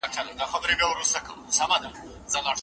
شاعر په خپل کلام کې د ژوند د خوږو یادونو ذکر کوي.